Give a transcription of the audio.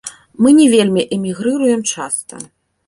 Мы не вельмі эмігрыруем часта.